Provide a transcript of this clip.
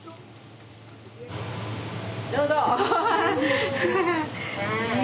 どうぞ！